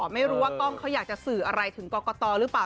ไม่รู้ว่ากล้องเขาอยากจะสื่ออะไรถึงกรกตหรือเปล่า